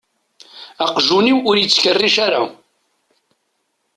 Aqjun-iw ur yettkerric ara.